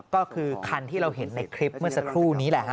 ก็คือคันที่เราเห็นในคลิปเมื่อสักครู่นี้แหละฮะ